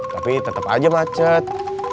tapi tetep aja pacet